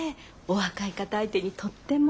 お若い方相手にとっても。